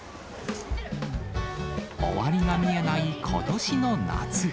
終わりが見えないことしの夏。